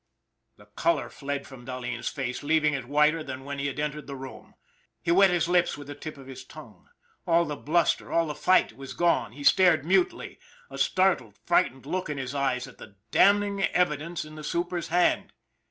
" The color fled from Dahleen's face leaving it whiter than when he had entered the room. He wet his lips with the tip of his tongue. All the bluster, all the fight was gone. He stared mutely, a startled, frightened look in his eyes, at the damning evidence in the super's hand.